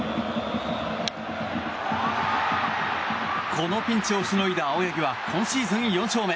このピンチをしのいだ青柳は今シーズン４勝目。